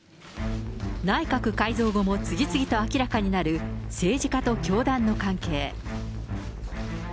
内閣改造後も次々と明らかになる政治家と教団の関係。